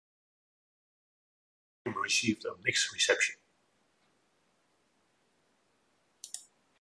The game received a mixed reception.